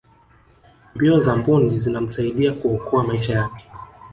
mbio za mbuni zinamsaidia kuokoa maisha yake